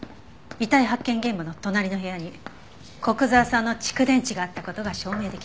遺体発見現場の隣の部屋に古久沢さんの蓄電池があった事が証明できた。